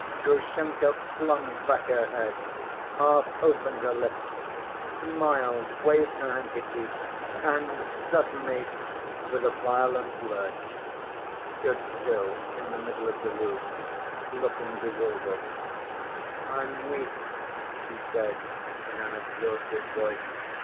Grushenka flung back her head, half opened her lips, smiled, waved her handkerchief, and suddenly, with a violent lurch, stood still in the middle of the room, looking bewildered. "I'm weak...." she said in an exhausted voice.